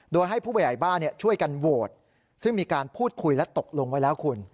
โดยให้ผู้ใหญ่บ้านช่วยกันโหวตซึ่งมีการพูดคุยและตกลงไว้แล้วคุณ